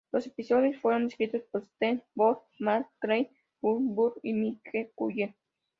Los episodios fueron escritos por Stephen Volk, Mark Greig, Guy Burt y Mike Cullen.